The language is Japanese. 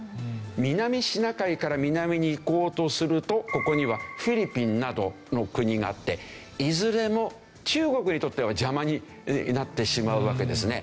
南シナ海から南に行こうとするとここにはフィリピンなどの国があっていずれも中国にとっては邪魔になってしまうわけですね。